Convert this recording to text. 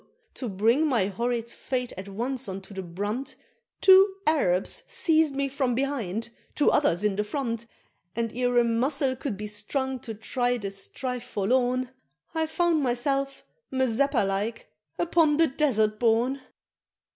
to bring my horrid fate at once unto the brunt, Two Arabs seized me from behind, two others in the front, And ere a muscle could be strung to try the strife forlorn, I found myself, Mazeppa like, upon the Desert Born!